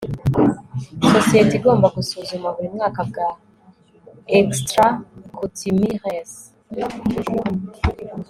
Sosiyete igomba gusuzuma buri mwaka bwa Extra Coutumi res